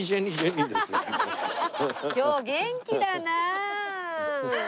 今日元気だな！